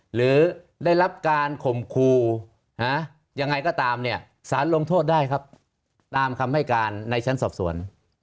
หรือได้รับการข่มครูยังไงก็ตามเนี่ยสารลงโทษได้ครับตามคำให้การในชั้นสอบสวน